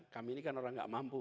kami ini kan orang nggak mampu